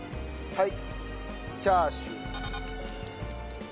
はい！